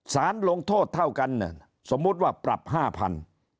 ศาลงโทษเท่ากันสมมุตว่าปรับ๕พันธุ์